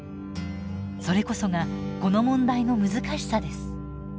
それこそがこの問題の難しさです。